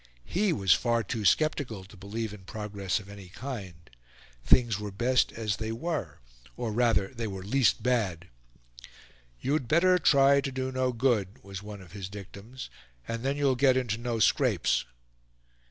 He was far too sceptical to believe in progress of any kind. Things were best as they were or rather, they were least bad. "You'd better try to do no good," was one of his dictums, "and then you'll get into no scrapes."